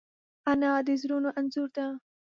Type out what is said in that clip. انا د زړونو انځور ده